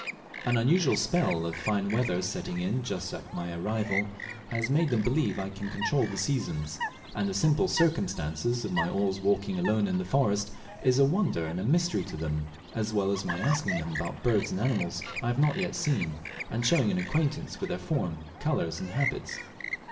An unusual spell of fine weather setting in just at my arrival has made them believe I can control the seasons; and the simple circumstance of my always walking alone in the forest is a wonder and a mystery to them, as well as my asking them about birds and animals I have not yet seen, and showing an acquaintance with their form, colours, and habits.